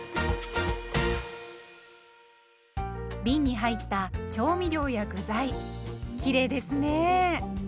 びんに入った調味料や具材きれいですね。